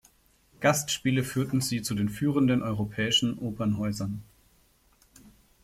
Gastspiele führten sie zu den führenden europäischen Opernhäusern.